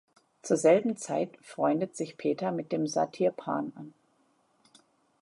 Zur selben Zeit freundet sich Peter mit dem Satyr Pan an.